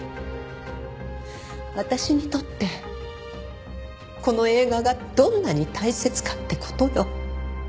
私にとってこの映画がどんなに大切かって事よ！